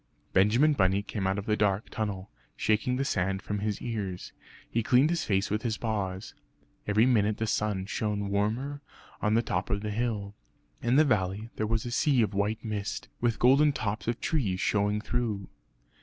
Benjamin Bunny came out of the dark tunnel, shaking the sand from his ears; he cleaned his face with his paws. Every minute the sun shone warmer on the top of the hill. In the valley there was a sea of white mist, with golden tops of trees showing through.